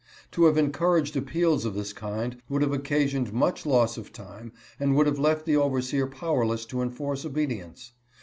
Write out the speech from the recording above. To have encouraged appeals of this kind would have occasioned much loss of time and would have left the overseer powerless to enforce obedience.